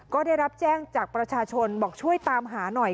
ก็ได้รับแจ้งจากประชาชนบอกช่วยตามหาหน่อย